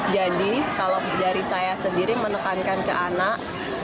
jadi kalau dari saya sendiri menekankan ke anak